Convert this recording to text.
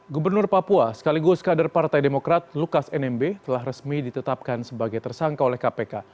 gubernur papua sekaligus kader partai demokrat lukas nmb telah resmi ditetapkan sebagai tersangka oleh kpk